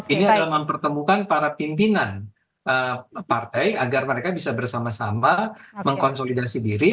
ini adalah mempertemukan para pimpinan partai agar mereka bisa bersama sama mengkonsolidasi diri